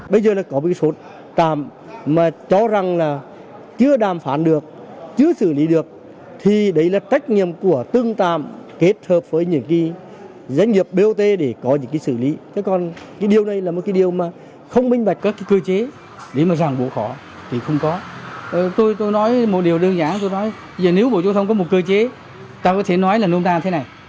bộ giao thông có một cơ chế ta có thể nói là nôn đa như thế này